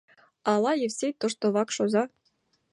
Ала Евсей, тошто вакш оза?